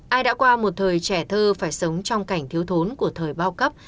ai đã qua một thời trẻ thơ phải sống trong cảnh thiếu thốn của thời bao cấp